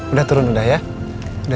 udah turun udah ya